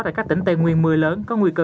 tại các tỉnh tây nguyên mưa lớn có nguy cơ